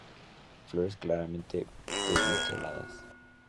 Flores claramente pediceladas.